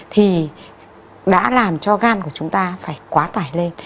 thì đã làm cho gan của chúng ta phải quá tải lên